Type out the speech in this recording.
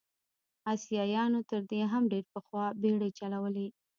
اسیایانو تر دې هم ډېر پخوا بېړۍ چلولې.